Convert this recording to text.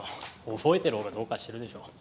覚えてるほうがどうかしてるでしょ。